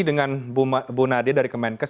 dengan bu nadia dari kemenkes